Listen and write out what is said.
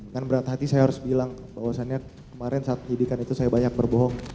kan berat hati saya harus bilang bahwasannya kemarin saat penyidikan itu saya banyak berbohong